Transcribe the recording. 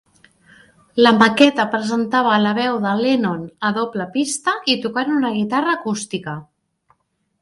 La maqueta presentava la veu de Lennon a doble pista i tocant una guitarra acústica.